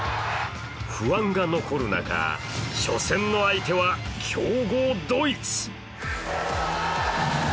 不安が残る中、初戦の相手は強豪ドイツ。